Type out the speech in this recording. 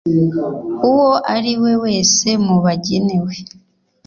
uwo ari we wese mu bagenewe